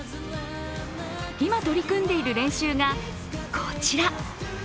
今、取り組んでいる練習がこちら。